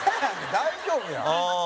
大丈夫やん。